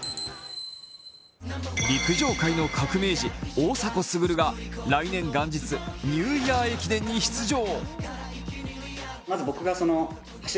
陸上界の革命児、大迫傑が来年元日、ニューイヤー駅伝に出場。